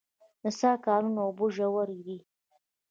د څاه ګانو اوبه ژورې دي